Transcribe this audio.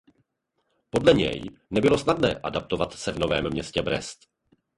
Podle něj nebylo snadné adaptovat se v novém městě Brest.